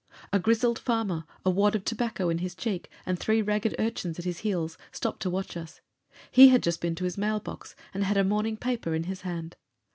A grizzled farmer, a wad of tobacco in his cheek and three ragged urchins at his heels, stopped to watch us. He had just been to his mailbox, and had a morning paper in his hand.